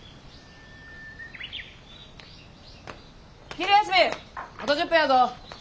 昼休みあと１０分やぞ。